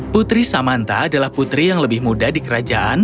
putri samantha adalah putri yang lebih muda di kerajaan